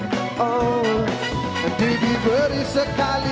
tapi jangan bikin dia sakit hati